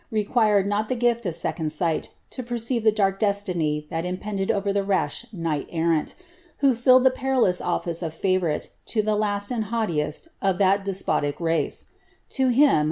required not the gift of "econd sighl lo percene the dark de tini lh»l imjiended over the rash knichi erranl, nho filled the perilous otSce of favourite to the last and haughiiesl of tliat deipntic race To him.